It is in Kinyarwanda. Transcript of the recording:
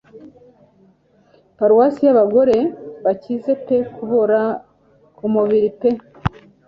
Paruwasi y'abagore bakize pe kubora kumubiri pe